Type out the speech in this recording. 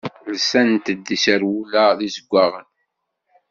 Lsant-d iserwula d izeggaɣen.